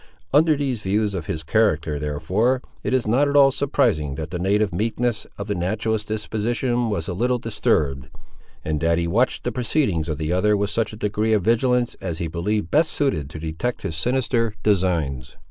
Under these views of his character, therefore, it is not at all surprising that the native meekness of the naturalist's disposition was a little disturbed, and that he watched the proceedings of the other with such a degree of vigilance as he believed best suited to detect his sinister designs.